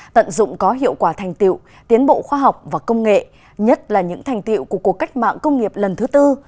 tận dụng có hiệu quả thành tiệu tiến bộ khoa học và công nghệ nhất là những thành tiệu của cuộc cách mạng công nghiệp lần thứ tư